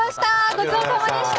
ごちそうさまでした。